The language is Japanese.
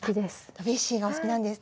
ドビュッシーがお好きなんですね。